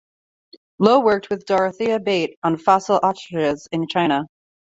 Lowe worked with Dorothea Bate on fossil ostriches in China.